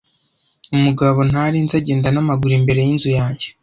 Umugabo ntari nzi agenda n'amaguru imbere yinzu yanjye.